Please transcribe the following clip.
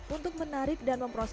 untuk menarik dan memperbaiki